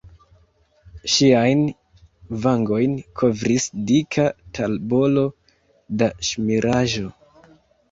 Ŝiajn vangojn kovris dika tabolo da ŝmiraĵo.